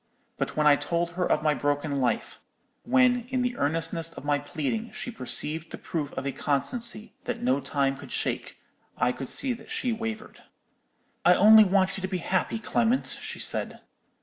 But when I told her of my broken life—when, in the earnestness of my pleading, she perceived the proof of a constancy that no time could shake, I could see that she wavered. "'I only want you to be happy, Clement,' she said.